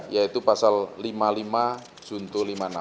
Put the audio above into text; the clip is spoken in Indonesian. yaitu pasal lima puluh lima junto lima puluh enam